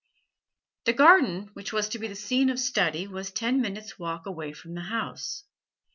The garden which was to be the scene of study was ten minutes' walk away from the house.